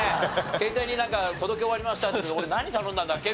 携帯になんか「届け終わりました」って俺何頼んだんだっけ？